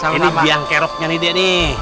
ini biang keroknya nih dia nih